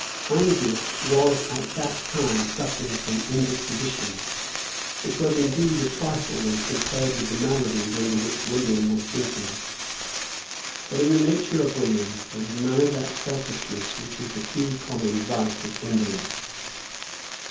Heinsius was at that time suffering from indisposition, which was indeed a trifle when compared with the maladies under which William was sinking. But in the nature of William there was none of that selfishness which is the too common vice of invalids.